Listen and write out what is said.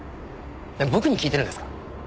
えっ僕に聞いてるんですか？